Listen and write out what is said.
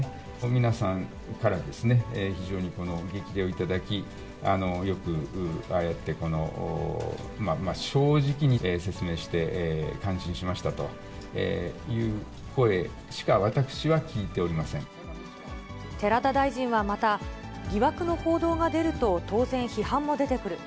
皆さんから非常にこの激励を頂き、よく、ああやって正直に説明して感心しましたという声しか私は聞いてお寺田大臣はまた、疑惑の報道が出ると、当然、批判も出てくる。